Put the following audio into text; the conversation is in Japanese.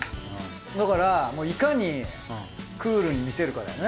だからいかにクールに見せるかだよね。